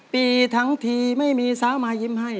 ปีทั้งทีไม่มีสาวมายิ้มให้